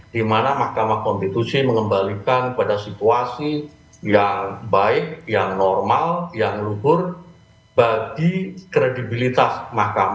dimana makam makam konstitusi mengembalikan pada situasi yang baik yang normal yang luhur bagi kredibilitas makam makam